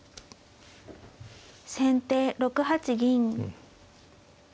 先手６八銀。